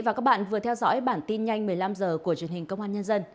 cảm ơn các bạn đã theo dõi bản tin nhanh một mươi năm h của truyền hình công an nhân dân